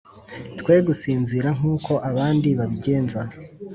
twe gusinzira v nk uko abandi babigenza